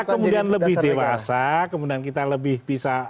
kemudian kita lebih dewasa kemudian kita lebih bisa